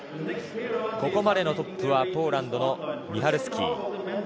ここまでのトップはポーランドのミハルスキー。